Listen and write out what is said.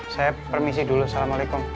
saya permisi dulu assalamualaikum